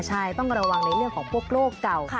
ใช่ต้องระวังในเรื่องของพวกโลกเก่า